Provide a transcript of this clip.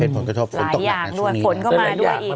หลายอย่างด้วยฝนเข้ามาด้วยอีก